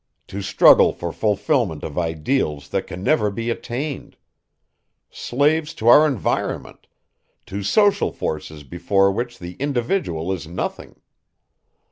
To struggle for fulfilment of ideals that can never be attained. Slaves to our environment, to social forces before which the individual is nothing.